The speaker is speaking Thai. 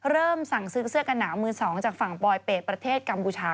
เริ่มสั่งซื้อเสื้อกันหนาวมือ๒จากฝั่งปลอยเป็ดประเทศกัมพูชา